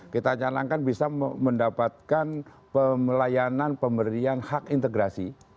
kita nyelenggarkan bisa mendapatkan pelayanan pemberian hak integrasi